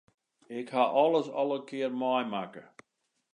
Ik haw alles al ris in kear meimakke.